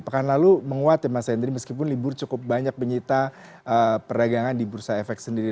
pekan lalu menguat ya mas henry meskipun libur cukup banyak menyita perdagangan di bursa efek sendiri